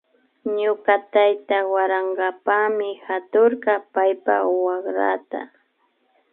Ñuka tayta warankapami haturka paypa wakrata